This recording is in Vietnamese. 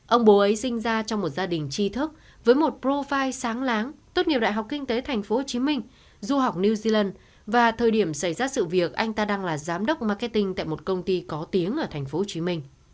ông bố ấy sinh ra trong một gia đình chi thức với một profile sáng láng tốt nghiệp đại học kinh tế tp hcm du học new zealand và thời điểm xảy ra sự việc anh ta đang là giám đốc marketing tại một công ty có tiếng ở tp hcm